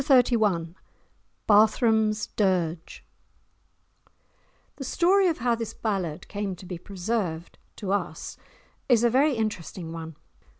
*Chapter XXXI* *Barthram's Dirge* The story of how this ballad came to be preserved to us is a very interesting one.